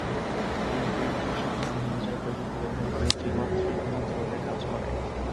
এই প্রিন্টার সাধারণত ডিজিটাল প্রযুক্তি ব্যবহার করে ত্রিমাত্রিক মুদ্রণের কাজ করে।